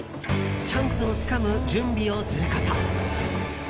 チャンスをつかむ準備をすること。